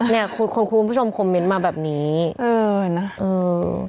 เนี่ยคุณคนคุณผู้ชมคอมเมนต์มาแบบนี้เออนะเออ